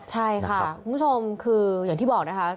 ใช่ค่ะคุณผู้ชมคืออย่างที่บอกนะคะ